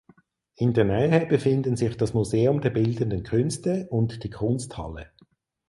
In der Nähe befinden sich das Museum der Bildenden Künste und die Kunsthalle.